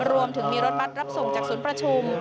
รวมถึงมีรถบัตรรับส่งจากศูนย์ประชุม